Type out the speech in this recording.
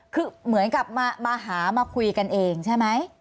คือเหมือนกับมาหามาคุยกันเองใช่ไหม